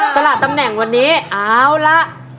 สละตำแหน่งวันนี้เอาละ